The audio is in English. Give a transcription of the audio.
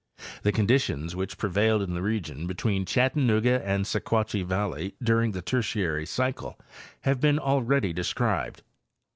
The conditions which prevailed in the region between Chattanooga and Sequatchie valley during the Tertiary cycle have been already described.